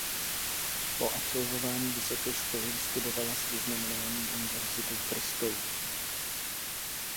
Po absolvování vysoké školy vystudovala s vyznamenáním univerzitu v Bristolu.